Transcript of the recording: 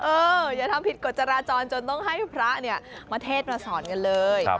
อย่าทำผิดกฎจราจรจนต้องให้พระเนี่ยมาเทศมาสอนกันเลย